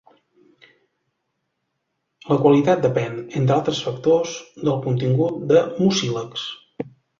La qualitat depèn, entre altres factors, del contingut de mucílags.